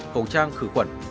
phòng trang khử khuẩn